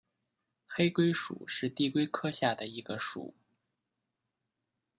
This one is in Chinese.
黑龟属是地龟科下的一个属。